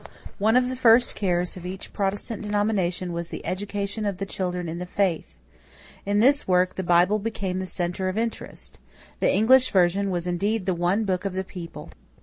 = One of the first cares of each Protestant denomination was the education of the children in the faith. In this work the Bible became the center of interest. The English version was indeed the one book of the people.